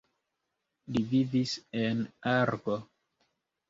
Li vivis en Argo.